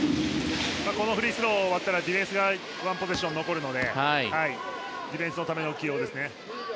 フリースローが終わったらディフェンスがワンポゼッション残るのでディフェンスのための起用です。